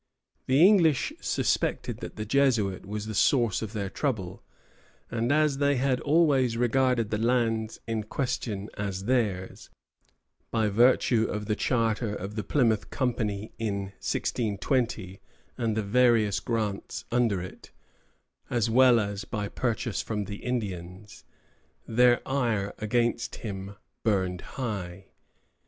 The English suspected that the Jesuit was the source of their trouble; and as they had always regarded the lands in question as theirs, by virtue of the charter of the Plymouth Company in 1620, and the various grants under it, as well as by purchase from the Indians, their ire against him burned high.